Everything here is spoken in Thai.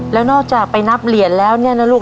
แล้วนอกจากไปนับเหรียญแล้วเนี่ยนะลูก